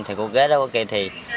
thì cô ghế đó có kêu thì